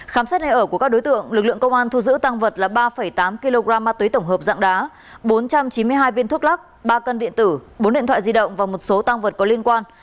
khám xét nơi ở của các đối tượng lực lượng công an thu giữ tăng vật là ba tám kg ma túy tổng hợp dạng đá bốn trăm chín mươi hai viên thuốc lắc ba cân điện tử bốn điện thoại di động và một số tăng vật có liên quan